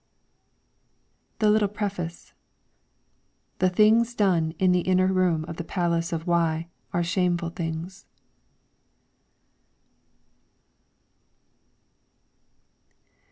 The Little Preface :' The Things done in the Inner Room of the Palace of Wei were Shameful Things.'